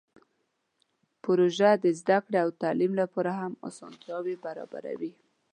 پروژه د زده کړې او تعلیم لپاره هم اسانتیاوې برابروي.